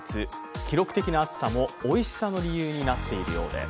記録的な暑さもおいしさの理由になっているようです。